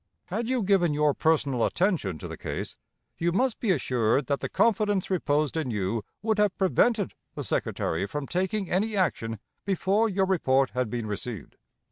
Had you given your personal attention to the case, you must be assured that the confidence reposed in you would have prevented the Secretary from taking any action before your report had been received.